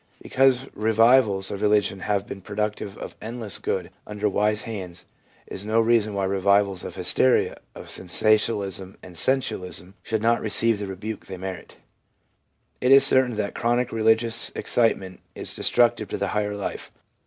Because revivals of religion have been productive of endless good under wise hands, is no reason why revivals of hysteria, of sensationalism and sensualism should not receive the rebuke they merit. ...' It is certain that chronic religious excitement is destructive to the higher life.